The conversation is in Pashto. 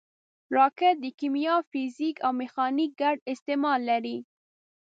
راکټ د کیمیا، فزیک او میخانیک ګډ استعمال لري